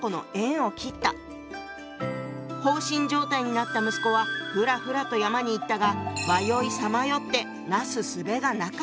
放心状態になった息子はふらふらと山に行ったが迷いさまよってなすすべがなかった」。